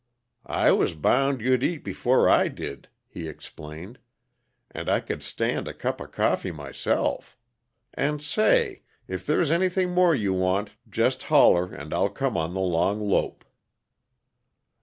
"I was bound you'd eat before I did," he explained, "and I could stand a cup of coffee myself. And, say! If there's anything more you want, just holler, and I'll come on the long lope."